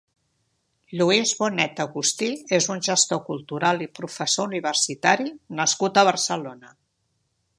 Lluís Bonet Agustí és un gestor cultural i professor universitari nascut a Barcelona.